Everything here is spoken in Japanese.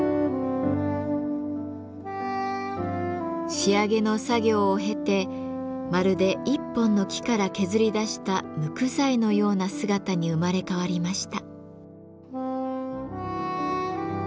仕上げの作業を経てまるで１本の木から削り出したむく材のような姿に生まれ変わりました。